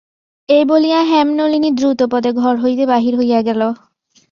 এই বলিয়া হেমনলিনী দ্রুতপদে ঘর হইতে বাহির হইয়া গেল।